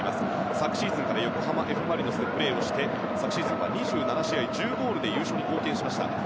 昨シーズンから横浜Ｆ・マリノスでプレーをして昨シーズンは２７試合１０ゴールで優勝に貢献しました。